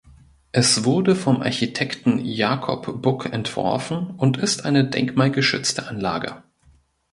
Es wurde vom Architekten Jacob Buck entworfen und ist eine denkmalgeschützte Anlage.